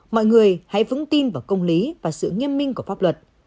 mọi người hãy vững tin vào công lý và sự nghiêm minh của pháp luật